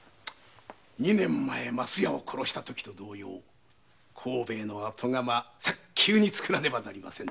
二年前升屋を殺したときと同様に甲兵衛の後釜早急につくらねばなりませんな。